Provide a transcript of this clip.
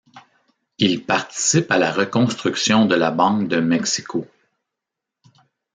Il participe à la reconstruction de la Banque de Mexico.